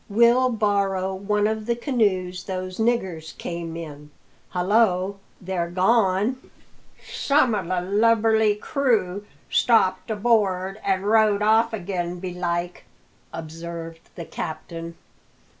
"We'll borrow one of the canoes those niggers came in. Hullo, they're gone!" "Some of the lubberly crew stopped aboard and rowed off agin, belike," observed the captain.